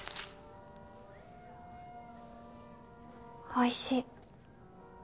おいしい。